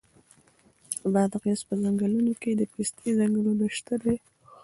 د بادغیس په څنګلونو کې د پستې ځنګلونه شته دي.